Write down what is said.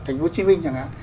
thành phố hồ chí minh chẳng hạn